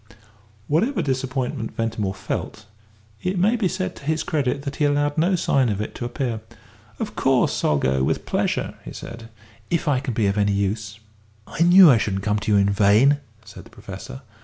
Whatever disappointment Ventimore felt, it may be said to his credit that he allowed no sign of it to appear. "Of course I'll go, with pleasure," he said, "if I can be of any use." "I knew I shouldn't come to you in vain," said the Professor.